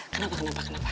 kenapa kenapa kenapa